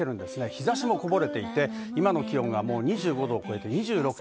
日差しもこぼれていて、今の気温は２５度を超えています。